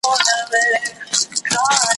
د مېږیانو کور له غمه نه خلاصېږي.